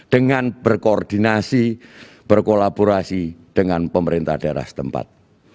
dengan berkoordinasi berkolaborasi dengan pemerintah daerah setempat